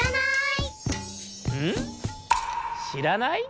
しらない？